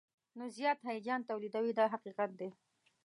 نو زیات هیجان تولیدوي دا حقیقت دی.